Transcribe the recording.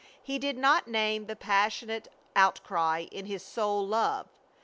He did not name the passionate outcry in his soul love.